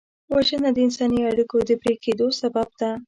وژنه د انساني اړیکو د پرې کېدو سبب ده